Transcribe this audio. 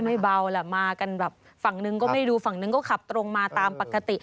ไม่เบาแหละมากันแบบฝั่งนึงก็ไม่ดูฝั่งนึงก็ขับตรงมาตามปกติ